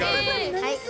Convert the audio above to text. はい。